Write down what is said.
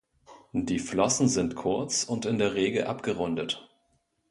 Die Flossen sind kurz und in der Regel abgerundet.